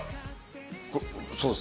そうです。